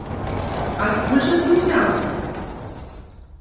Адкуль жа ты ўзяўся?